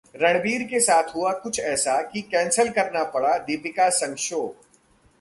रणबीर के साथ हुआ कुछ ऐसा कि कैंसल करना पड़ा दीपिका संग शो